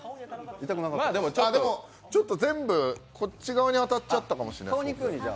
でも前後こっち側に当たっちゃったかもしれない。